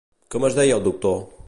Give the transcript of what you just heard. Com es deia el doctor?